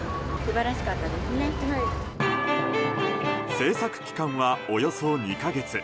制作期間は、およそ２か月。